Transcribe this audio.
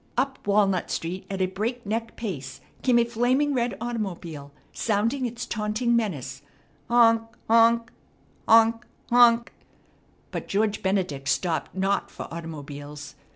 Up Walnut Street at a breakneck pace came a flaming red automobile, sounding its taunting menace, "Honk honk! Honk honk!" but George Benedict stopped not for automobiles.